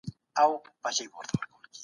ده وویل چي له مرګ څخه مه ډاریږئ.